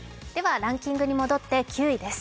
ランキングに戻って９位です。